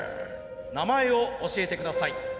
名前を教えて下さい。